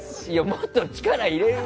もっと力入れる！